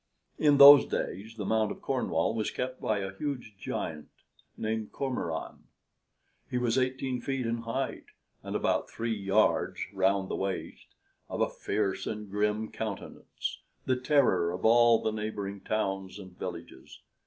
In those days the Mount of Cornwall was kept by a huge giant named Cormoran. He was eighteen feet in height, and about three yards round the waist, of a fierce and grim countenance, the terror of all the neighboring towns and villages.